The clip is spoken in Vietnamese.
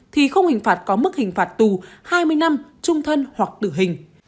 thì không hình phạt có mức hình phạt tù hai mươi năm trung thân hoặc tử hình